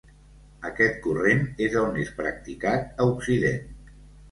Aquest corrent és el més practicat a Occident.